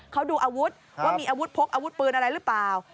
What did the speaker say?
เขาดูอาวุธว่ามีอาวุธพกอาวุธปืนอะไรหรือเปล่า